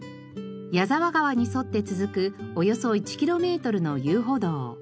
谷沢川に沿って続くおよそ１キロメートルの遊歩道。